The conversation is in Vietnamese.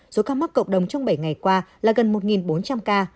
số ca mắc cộng đồng trong bảy ngày qua là gần một bốn trăm linh ca